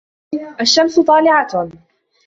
الشَّمْسُ طَالِعَةٌ.